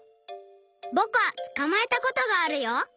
ぼくはつかまえたことがあるよ！